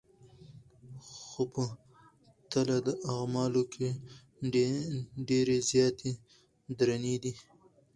خو په تله د اعمالو کي ډېرې زياتي درنې دي